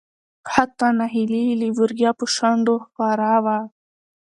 حتا نهيلي له ورايه په شنډو خوره وه .